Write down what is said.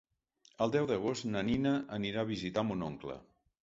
El deu d'agost na Nina anirà a visitar mon oncle.